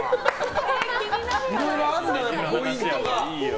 いろいろあるんだなポイントが。